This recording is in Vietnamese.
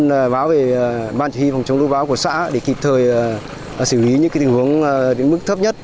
huyện phú yên báo về ban chỉ huy phòng chống lũ báo của xã để kịp thời xử lý những tình huống đến mức thấp nhất